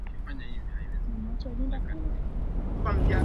kuwekeza katika teknolojia na utafiti